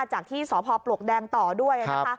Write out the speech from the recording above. จากที่สพปลวกแดงต่อด้วยนะคะ